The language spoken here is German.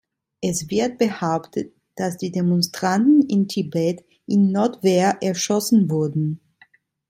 Es wird behauptet, dass die Demonstranten in Tibet in Notwehr erschossen wurden.